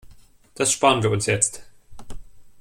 Das spar'n wir uns jetzt.